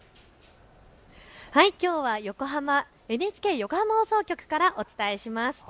きょうはＮＨＫ横浜放送局からお伝えします。